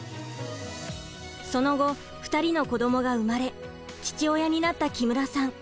その後２人の子どもが生まれ父親になった木村さん。